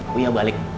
gua ya balik